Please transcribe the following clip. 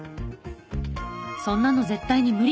「そんなの絶対に無理。